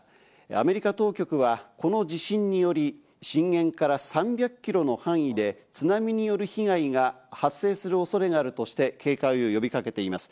アメリカ当局はこの地震により、震源から３００キロの範囲で津波による被害が発生するおそれがあるとして警戒を呼びかけています。